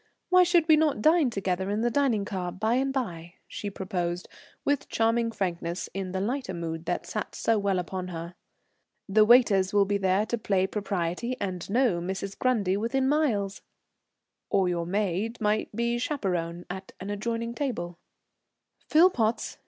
Why should we not dine together in the dining car by and by?" she proposed with charming frankness, in the lighter mood that sat so well upon her. "The waiters will be there to play propriety, and no Mrs. Grundy within miles." "Or your maid might be chaperon at an adjoining table." "Philpotts?